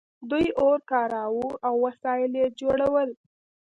دوی اور کاراوه او وسایل یې جوړول.